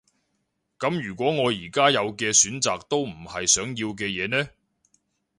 噉如果我而家有嘅選擇都唔係想要嘅嘢呢？